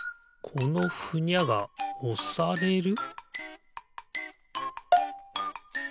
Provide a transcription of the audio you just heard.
このふにゃがおされる？